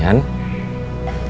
bantu mengurus pertanian